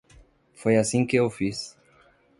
Foi assim que eu fiz.